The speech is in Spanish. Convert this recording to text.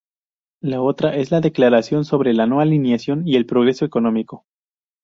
La otra es la "Declaración sobre la no alineación y el progreso económico".